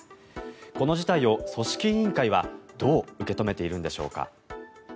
この事態を組織委員会はどう受け止めているんでしょうか。